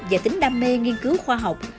và tính đam mê nghiên cứu khoa học